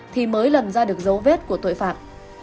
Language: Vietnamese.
thì mới lần ra được dấu vết của tội phạm